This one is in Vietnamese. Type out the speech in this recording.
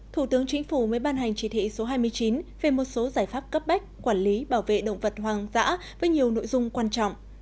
thủ tướng chính phủ mới ban hành chỉ thị số hai mươi chín về một số giải pháp cấp bách quản lý bảo vệ động vật hoang dã với nhiều nội dung quan trọng